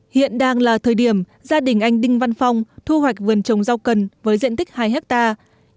hiện đang là thời điểm gia đình anh đinh văn phong thu hoạch vườn trồng rau cần với diện tích hai hectare